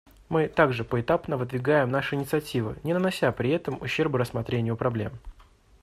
Мы также поэтапно выдвигаем наши инициативы, не нанося при этом ущерба рассмотрению проблем.